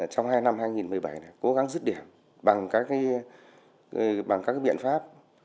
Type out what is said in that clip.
trong năm hai nghìn một mươi bảy cố gắng rứt điểm bằng các biện pháp